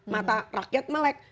mata rakyat melek